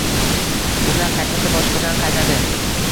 Undan qaytmasa, boshqadan qaytadi.